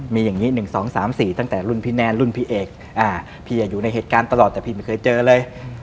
มีอย่างนี้๑๒๓๔ตั้งแต่รุ่นพี่แนนรุ่นพี่เอกพี่อยู่ในเหตุการณ์ตลอดแต่พี่ไม่เคยเจอเลย